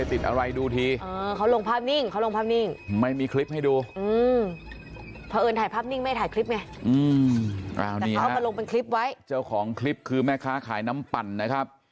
ถ่ายภาพนิ่งไม่ถ่ายคลิปไหมมราชาลงเป็นคลิปไว้เจ้าของคลิปคือแม่ค้าขายน้ำปั่นนะครับ